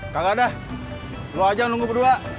kagak ada lu aja yang nunggu berdua